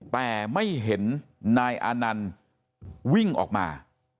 แต่ไม่เห็นนายอานันต์วิ่งออกมา